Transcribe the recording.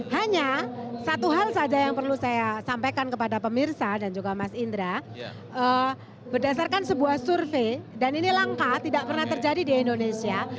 hanya satu hal saja yang perlu saya sampaikan kepada pemirsa dan juga mas indra berdasarkan sebuah survei dan ini langka tidak pernah terjadi di indonesia